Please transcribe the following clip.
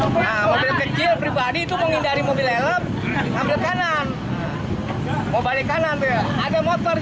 nah mobil kecil pribadi itu menghindari mobil elem ambil kanan mau balik kanan ada motor